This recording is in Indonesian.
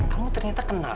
kamu ternyata kenal